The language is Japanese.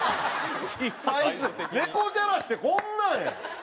サイズ猫じゃらしってこんなんやん。